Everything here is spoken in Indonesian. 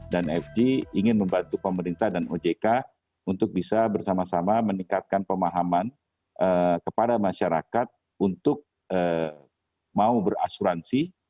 dan ifg ingin membantu pemerintah dan ojk untuk bisa bersama sama meningkatkan pemahaman kepada masyarakat untuk mau berasuransi